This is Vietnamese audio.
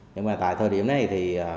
nhưng mà tại thời điểm này thì